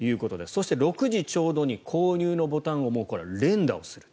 そして、６時ちょうどに購入のボタンを連打する。